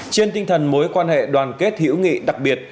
trên tinh thần mối quan hệ đoàn kết hữu nghị đặc biệt